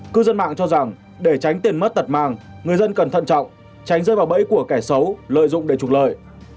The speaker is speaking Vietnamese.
cư dân mạng cho rằng để tránh tiền mất tật mang người dân cần thận trọng tránh rơi vào bẫy của kẻ xấu lợi dụng để trục lợi